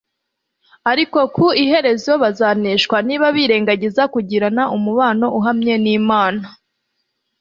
ariko ku iherezo bazaneshwa niba birengagiza kugirana umubano uhamye n'Imana,